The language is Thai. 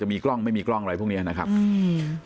มีกล้องไม่มีกล้องอะไรพวกเนี้ยนะครับอืม